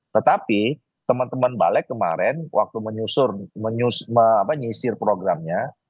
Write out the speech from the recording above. tetapi teman teman balik kemarin waktu menyusur menyusir programnya